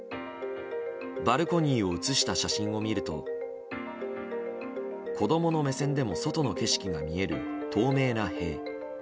バルコニーを写した写真を見ると子供の目線でも外の景色が見える、透明な塀。